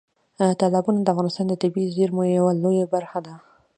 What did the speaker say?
تالابونه د افغانستان د طبیعي زیرمو یوه لویه برخه ده.